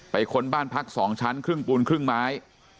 ค้นบ้านพัก๒ชั้นครึ่งปูนครึ่งไม้